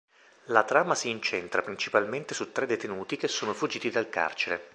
La trama si incentra principalmente su tre detenuti che sono fuggiti dal carcere.